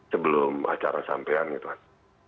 sebelum acara sampean gitu kan